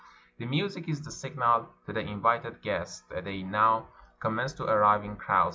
The music is the signal to the invited guests; they now commence to arrive in crowds.